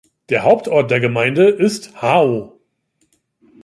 Der Hauptort der Gemeinde ist Hao.